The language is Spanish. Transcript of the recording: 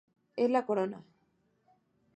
Es la corona.